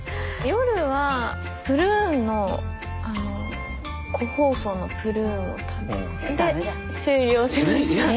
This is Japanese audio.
夜はプルーンの個包装のプルーンを食べて終了しました。